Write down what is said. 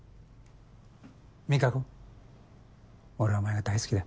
美華子俺はお前が大好きだ。